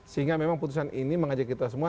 sehingga memang putusan ini mengajak kita semua